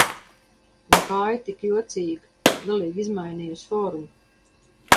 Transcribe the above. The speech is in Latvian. Un kāja tik jocīga, galīgi izmainījusi formu.